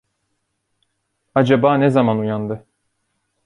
Acaba ne zaman uyandı?